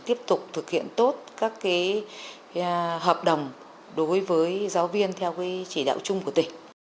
tiếp tục thực hiện tốt các hợp đồng đối với giáo viên theo chỉ đạo chung của tỉnh